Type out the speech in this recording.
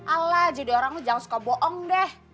ala jadi orang tuh jangan suka bohong deh